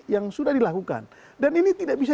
yang sudah dilakukan dan ini tidak bisa